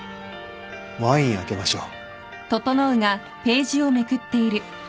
ワイン開けましょう。